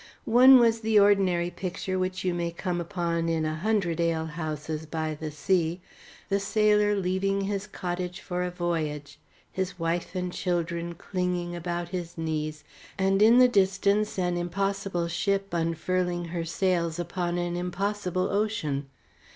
One was the ordinary picture which you may come upon in a hundred alehouses by the sea: the sailor leaving his cottage for a voyage, his wife and children clinging about his knees, and in the distance an impossible ship unfurling her sails upon an impossible ocean.